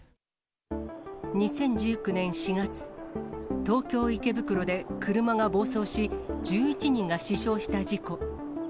２０１９年４月、東京・池袋で車が暴走し、１１人が死傷した事故。